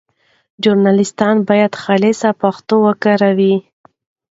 ژورنالیستان باید خالصه پښتو وکاروي.